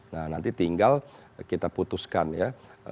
nah nanti tinggal kita putuskan ya